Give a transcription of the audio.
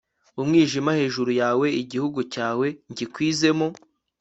umwijima hejuru yawe igihugu cyawe ngikwizemo